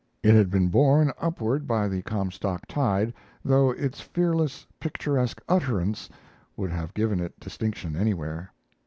It had been borne upward by the Comstock tide, though its fearless, picturesque utterance would have given it distinction anywhere.